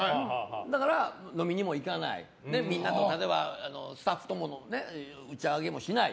だから、飲みにも行かないしスタッフとも打ち上げもしない。